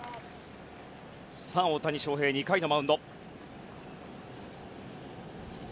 さあ大谷翔平、２回のマウンド。